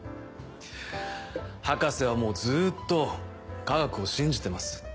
博士はもうずっと科学を信じてます。